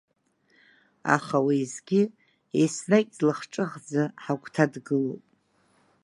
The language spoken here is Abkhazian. Аха уеизгьы, еснагь длахҿыхӡа ҳагәҭа дгылоуп.